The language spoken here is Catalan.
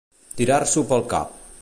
Tirar-s'ho pel cap.